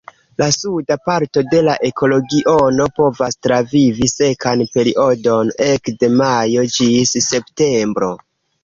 La suda parto de la ekoregiono povas travivi sekan periodon ekde majo ĝis septembro.